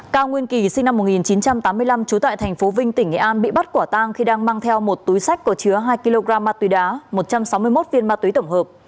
cao nguyên kỳ sinh năm một nghìn chín trăm tám mươi năm trú tại tp vinh tỉnh nghệ an bị bắt quả tang khi đang mang theo một túi sách có chứa hai kg ma túy đá một trăm sáu mươi một viên ma túy tổng hợp